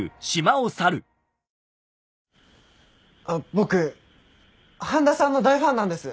僕半田さんの大ファンなんです。